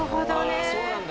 ああそうなんだ！